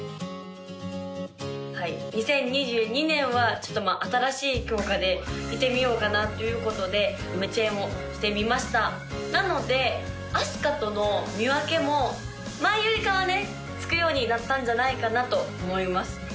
はい２０２２年はちょっとまあ新しいきょうかでいってみようかなということでイメチェンをしてみましたなのであすかとの見分けも前よりかはねつくようになったんじゃないかなと思います